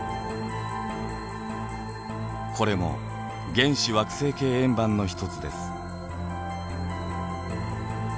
これも原始惑星系円盤の一つです。